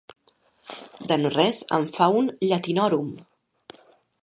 De no res en fa un llatinòrum.